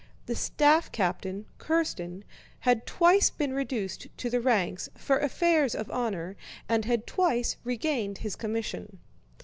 The staff captain, Kírsten, had twice been reduced to the ranks for affairs of honor and had twice regained his commission.